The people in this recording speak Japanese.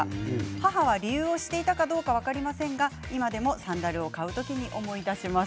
母は理由を知っていたか知りませんが今でもサンダルを買う時に思い出します。